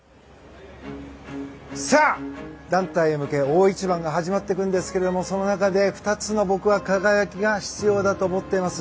さあ、団体へ向け大一番が始まっていきますがその中で２つの輝きが必要だと僕は思っています。